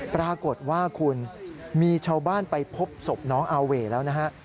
ปรากฏว่าคุณมีชาวบ้านไปพบศพน้องอาเว่แล้วนะฮะ